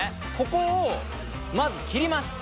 ここをまず切ります。